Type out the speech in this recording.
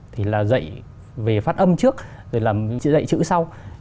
thì là dạy về phát âm trước rồi là dạy chữ sau